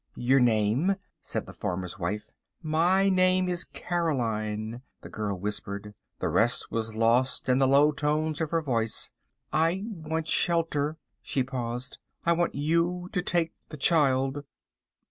"Your name?" said the farmer's wife. "My name is Caroline," the girl whispered. The rest was lost in the low tones of her voice. "I want shelter," she paused, "I want you to take the child."